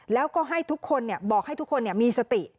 แล้วก็บอกให้ทุกคนมีสติ